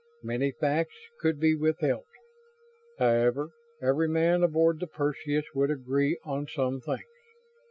Many facts could be withheld. However, every man aboard the Perseus would agree on some things.